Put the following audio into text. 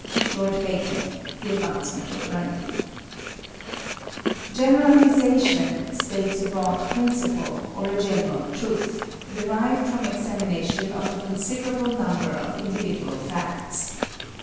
LORD BACON, The Advancement of Learning.[16A] =Generalization= states a broad principle, or a general truth, derived from examination of a considerable number of individual facts.